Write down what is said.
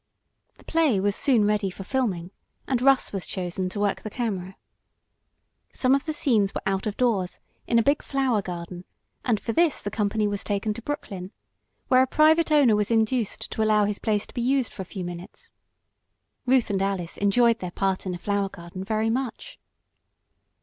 The play was soon ready for filming, and Russ was chosen to work the camera. Some of the scenes were out of doors, in a big flower garden, and for this the company was taken to Brooklyn, where a private owner was induced to allow his place to be used for a few minutes. Ruth and Alice enjoyed their part in the flower garden very much.